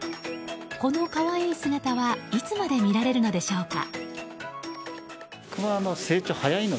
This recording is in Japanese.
この可愛い姿はいつまで見られるのでしょうか。